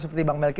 seperti bang melki